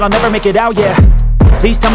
ini bener kamarnya nih